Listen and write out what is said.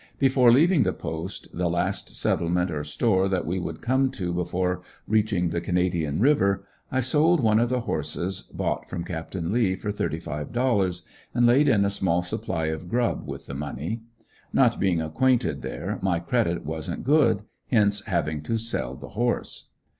Before leaving the Post, the last settlement or store that we would come to before reaching the Canadian River, I sold one of the horses bought from Capt. Lea, for thirty five dollars and laid in a small supply of grub with the money. Not being acquainted there my credit wasn't good, hence having to sell the horse.